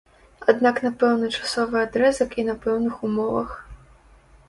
Аднак на пэўны часовы адрэзак і на пэўных умовах.